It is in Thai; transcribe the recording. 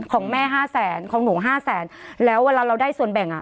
ของแม่ห้าแสนของหนูห้าแสนแล้วเวลาเราได้ส่วนแบ่งอ่ะ